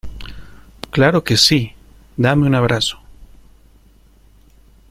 Claro que sí. Dame un abrazo .